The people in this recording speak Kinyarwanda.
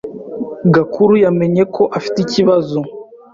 Gakuru yamenye ko afite ikibazo.